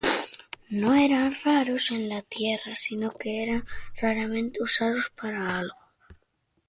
No eran raros en la Tierra, sino que eran raramente usados para algo.